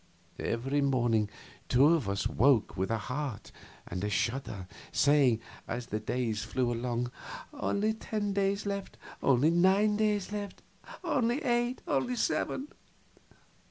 Every morning two of us woke with a start and a shudder, saying, as the days flew along, "Only ten days left"; "only nine days left"; "only eight"; "only seven."